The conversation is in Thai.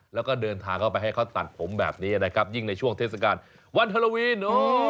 แล้วก็เดินทางเข้าไปให้เขาตัดผมแบบนี้นะครับยิ่งในช่วงเทศกาลวันฮาโลวีน